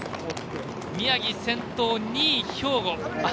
宮城、先頭、２位、兵庫。